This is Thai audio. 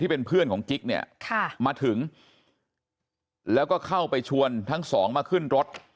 เป็นเพื่อนของกิ๊กเนี่ยมาถึงแล้วก็เข้าไปชวนทั้งสองมาขึ้นรถ